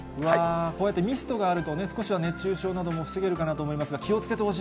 こうやってミストがあるとね、少しは熱中症なども防げるかなと思いますけれども、気をつけてほ